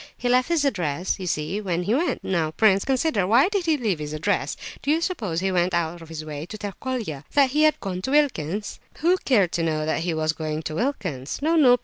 He left his address, you see, when he went. Now prince, consider, why did he leave his address? Why do you suppose he went out of his way to tell Colia that he had gone to Wilkin's? Who cared to know that he was going to Wilkin's? No, no!